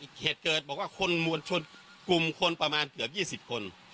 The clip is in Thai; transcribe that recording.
เหตุเกิดบอกว่าคนมวลชนกลุ่มคนประมาณเกือบ๒๐คน